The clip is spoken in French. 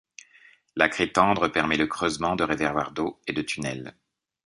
La craie tendre permet le creusement de réservoir d'eau et de tunnels.